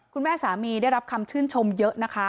คุณแม่สามีได้รับคำชื่นชมเยอะนะคะ